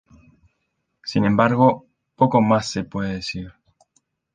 Sin embargo, poco más se puede decir.